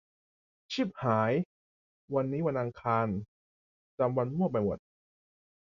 ชิบหาย วันนี้วันอังคาร จำวันมั่วไปหมด